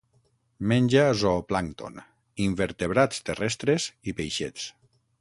Menja zooplàncton, invertebrats terrestres i peixets.